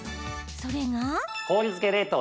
それが。